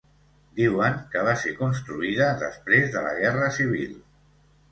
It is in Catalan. Diuen que va ser construïda després de la guerra Civil.